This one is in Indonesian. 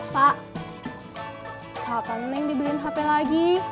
pak kapan nih dibeliin hp lagi